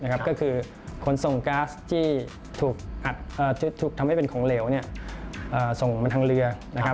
ก็คือขนส่งก๊าซที่ถูกทำให้เป็นของเหลวส่งมาทางเรือ